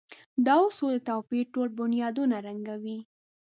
دا اصول د توپير ټول بنيادونه ړنګوي.